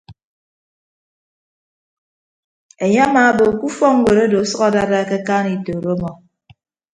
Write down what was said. Enye amaabo ke ufọkñwet odo ọsʌk adada ke akaan itooro ọmọ.